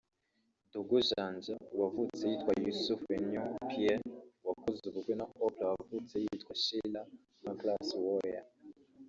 Dogo Janja wavutse yitwa Yousouf Enow Pierre wakoze ubukwe na Oprah wavutse yitwa Sheillah Pankras Uwoya